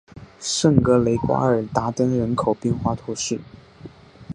圣格雷瓜尔达登人口变化图示